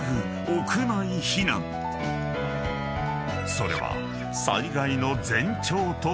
［それは］